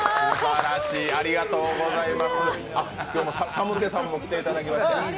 さむけさんも来ていただきました。